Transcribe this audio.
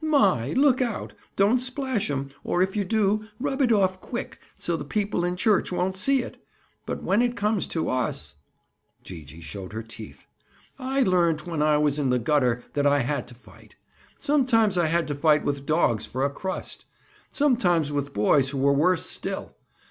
My! look out! don't splash 'em! Or, if you do, rub it off quick so the people in church won't see it. But when it comes to us"—Gee gee showed her teeth. "I learned when I was in the gutter that I had to fight. Sometimes I had to fight with dogs for a crust. Sometimes with boys who were worse still.